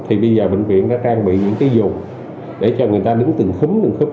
thì bây giờ bệnh viện đã trang bị những cái dùng để cho người ta đứng từng khính từng khúc